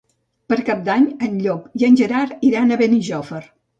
Per Cap d'Any en Llop i en Gerard iran a Benijòfar.